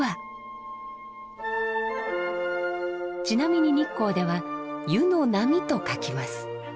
ちなみに日光では「湯の波」と書きます。